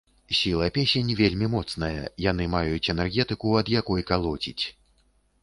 Сіла песень вельмі моцная, яны маюць энергетыку, ад якой калоціць.